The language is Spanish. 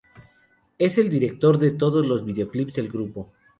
Es el director de todos los videoclips del grupo.